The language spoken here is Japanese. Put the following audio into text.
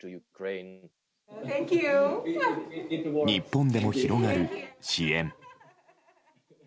日本でも広がる支援。